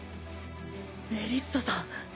メリッサさん。